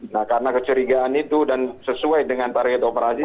nah karena kecurigaan itu dan sesuai dengan target operasi